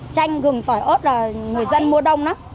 chanh gừng tỏi ớt là người dân mua đông lắm